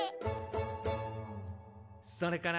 「それから」